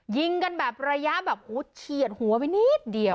ยิงกันแบบระยะแบบเฉียดหัวไปนิดเดียว